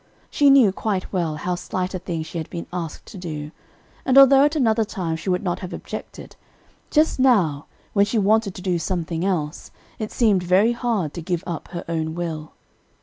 She knew quite well how slight a thing she had been asked to do, and although at another time she would not have objected, just now, when she wanted to do something else, it seemed very hard to give up her own will.